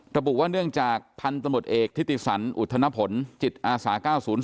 ระบุว่าเนื่องจากพันธุ์ตำรวจเอกทิติสันอุทธนผลจิตอาสา๙๐๔